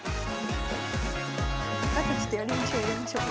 あとちょっとやりましょうやりましょう。